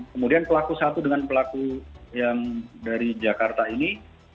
kemudian pelaku satu dengan pelaku yang dari jakarta ini